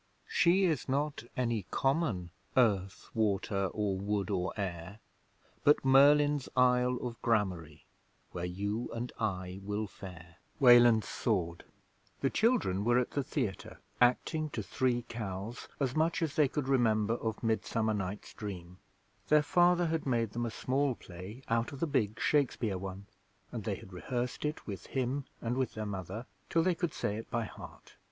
She is not any common Earth, Water or Wood or Air, But Merlin's Isle of Gramarye, Where you and I will fare. The children were at the Theatre, acting to Three Cows as much as they could remember of Midsummer Night's Dream. Their father had made them a small play out of the big Shakespeare one, and they had rehearsed it with him and with their mother till they could say it by heart.